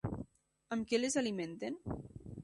Amb què les alimenten?